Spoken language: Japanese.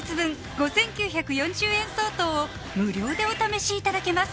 ５９４０円相当を無料でお試しいただけます